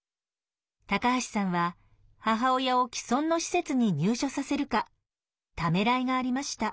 橋さんは母親を既存の施設に入所させるかためらいがありました。